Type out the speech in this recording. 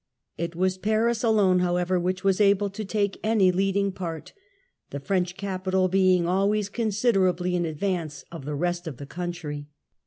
It was Paris alone, however, which was able to take any leading part, the French capital being always considerably in advance of the rest of the country.